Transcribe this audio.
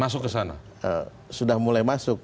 sudah mulai masuk